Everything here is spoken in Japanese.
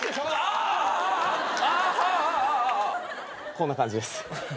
こんな感じです。